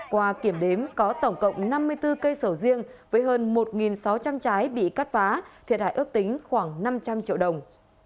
qua kiểm đếm có tổng cộng năm mươi bốn cây sầu riêng với hơn một sáu trăm linh trái bị cắt phá thiệt hại ước tính khoảng năm trăm linh triệu đồng